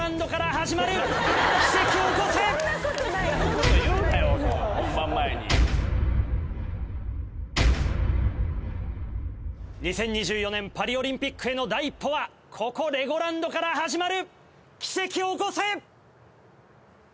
きっちり２０２４年パリオリンピックへの第１歩はここレゴランドから始まる！